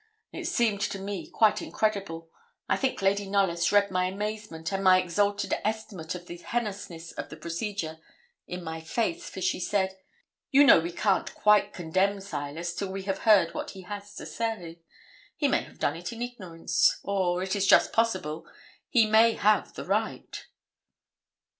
It seemed to me quite incredible. I think Lady Knollys read my amazement and my exalted estimate of the heinousness of the procedure in my face, for she said 'You know we can't quite condemn Silas till we have heard what he has to say. He may have done it in ignorance; or, it is just possible, he may have the right.'